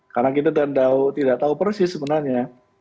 karena kita tidak tahu persis sebenarnya